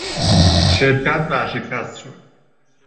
شرکت ورشکست شد.